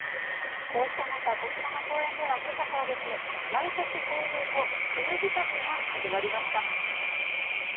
こうした中、こちらの公園では、けさからですね、毎年恒例の冬支度が始まりました。